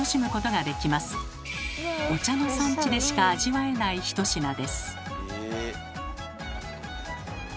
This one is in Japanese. お茶の産地でしか味わえない１品です。